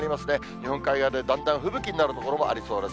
日本海側でだんだん吹雪になる所もありそうです。